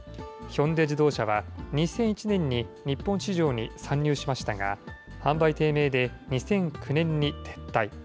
ヒョンデ自動車は、２００１年に日本市場に参入しましたが、販売低迷で２００９年に撤退。